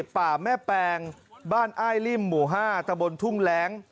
ป่าแม่แปงบ้านอ้ายริ่มหมู่๕ตะบนทุ่งแร้ง